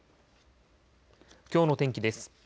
きょうの天気です。